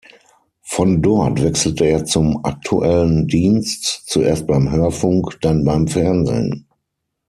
Von dort wechselte er zum Aktuellen Dienst, zuerst beim Hörfunk, dann beim Fernsehen.